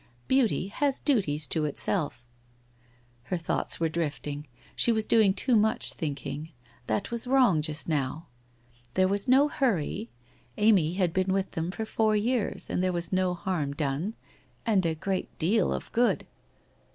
Beauty has duties to itself. ... Her thoughts were drifting. She was doing too much thinking. That was wrong., just now. There was no hurry. Amy had been with them four years and thero was no harm done. And a great deal of good.